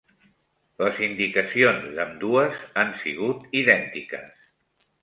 Les indicacions d'ambdues han sigut idèntiques.